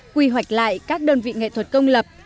quy hoạch lại các đơn vị nghệ thuật công lập